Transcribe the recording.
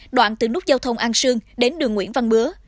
đoạn từ nút giao thông an sương đến đường nguyễn văn bứa